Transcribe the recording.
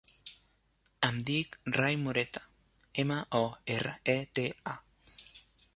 Em dic Rai Moreta: ema, o, erra, e, te, a.